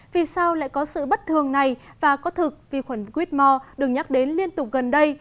vì sao lại có sự bất thường này và có thực vi khuẩn whitmore được nhắc đến liên tục gần đây